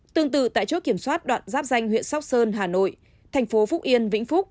tương tự tại chốt kiểm soát đoạn giáp danh huyện sóc sơn hà nội thành phố phúc yên vĩnh phúc